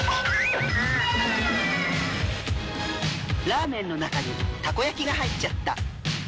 「ラーメンの中にたこ焼きが入っちゃった」